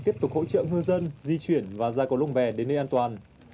tiếp tục hỗ trợ ngư dân di chuyển và ra cầu lông bè đến nơi an toàn